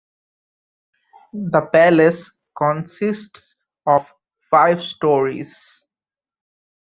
The palace consists of five stories.